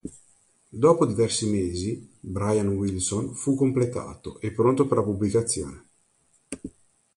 Dopo diversi mesi, "Brian Wilson" fu completato e pronto per la pubblicazione.